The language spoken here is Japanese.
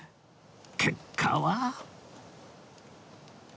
結果は